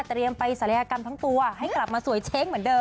ไปศัลยกรรมทั้งตัวให้กลับมาสวยเช้งเหมือนเดิ